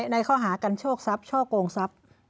ในข้อหากันโชคทรัพย์ช่อกงทรัพย์